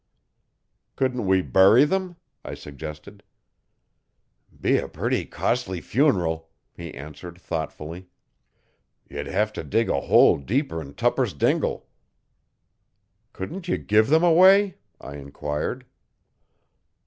'Couldn't we bury 'em?' I suggested. 'Be a purty costly funeral,' he answered thoughtfully. 'Ye'd hev to dig a hole deeper n Tupper's dingle. 'Couldn't you give them away?' I enquired.